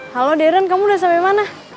halo darren kamu udah sampe mana